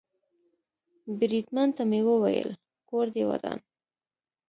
بریدمن ته مې وویل: کور دې ودان.